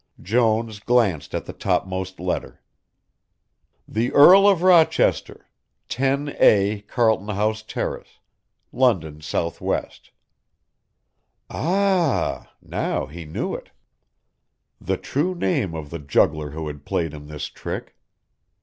Jones glanced at the topmost letter. THE EARL OF ROCHESTER, 10A, Carlton House Terrace, London, S. W. Ah! now he knew it. The true name of the juggler who had played him this trick.